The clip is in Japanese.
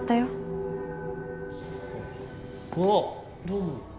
どうも。